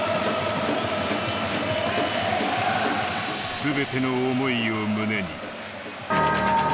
すべての思いを胸に。